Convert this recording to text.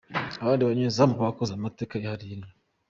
Abandi banyezamu bakoze amateka yihariye ni:.